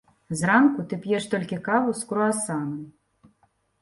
Зранку ты п'еш толькі каву з круасанам.